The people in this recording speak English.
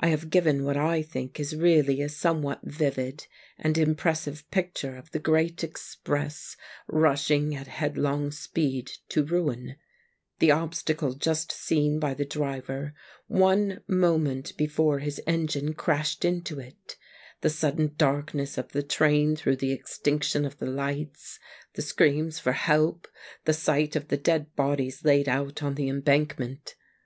I have given what I think is really a somewhat vivid and impressive picture of the great express rushing at headlong speed to ruin ; the obstacle just seen by the driver one moment before his engine crashed into it ; the sudden darkness of the train through the extinction of the lights ; the screams for help ; the 76 THE MAGNET sight of the dead bodies laid out on the embankment.